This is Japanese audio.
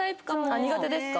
あっ苦手ですか？